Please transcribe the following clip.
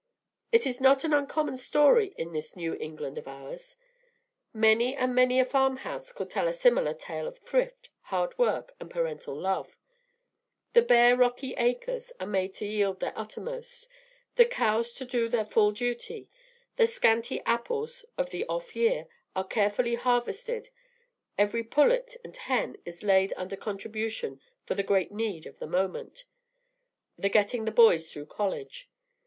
It is not an uncommon story in this New England of ours. Many and many a farm house could tell a similar tale of thrift, hard work, and parental love. The bare rocky acres are made to yield their uttermost, the cows to do their full duty, the scanty apples of the "off year" are carefully harvested, every pullet and hen is laid under contribution for the great need of the moment, the getting the boys through college.